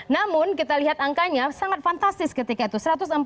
namun kita lihat angkanya sangat fantastis ketika itu